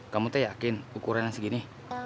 kamu tuh yakin ukuran yang segini